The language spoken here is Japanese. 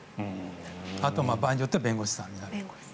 あとは場合によっては弁護士さんとか。